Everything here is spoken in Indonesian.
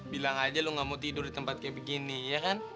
bilang aja lo gak mau tidur di tempat kayak begini ya kan